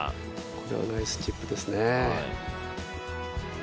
これはナイスチップですね。